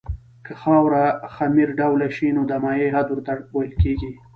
که خاوره خمیر ډوله شي نو د مایع حد ورته ویل کیږي